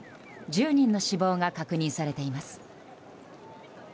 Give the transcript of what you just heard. １０人の死亡が確認されています。